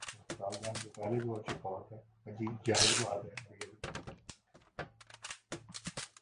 عموماً کھانسی اور چھینکنے سے ہوتا ہے